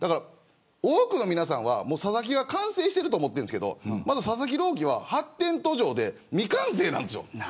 多くの皆さんは佐々木が完成していると思っているんですけれどまだ佐々木朗希は発展途上で未完成なんです。